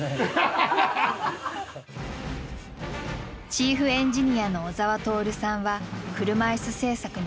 チーフエンジニアの小澤徹さんは車いす製作に携わって２０年。